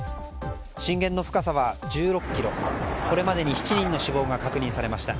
震源の深さは１６ｋｍこれまでに７人の死亡が確認されました。